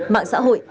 mạng xã hội